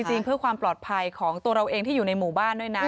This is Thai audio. จริงเพื่อความปลอดภัยของตัวเราเองที่อยู่ในหมู่บ้านด้วยนะ